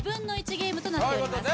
ゲームとなっています